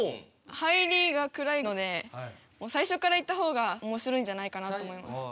入りが暗いのでもう最初からいった方がおもしろいんじゃないかなと思います。